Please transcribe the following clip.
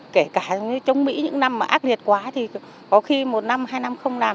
kể cả trong mỹ những năm ác liệt quá thì có khi một năm hai năm không làm